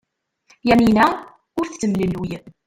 Yamina ur tettemlelluy.